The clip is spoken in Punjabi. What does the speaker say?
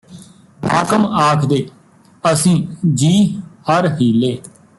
ਹਾਕਮ ਆਖਦੇ ਅਸੀਂ ਜੀ ਹਰ ਹੀਲੇ